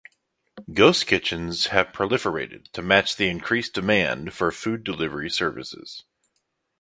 Ghost kitchens have proliferated to match the increased demand for food delivery services.